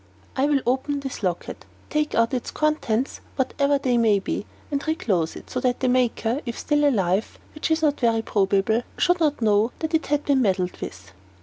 "I will open this locket, take out its contents, whatever they may be, and reclose it so that the maker, if still alive which is not very probable should not know that it had been meddled with."